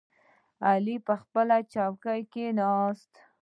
علی خان پر څوکۍ کېناست.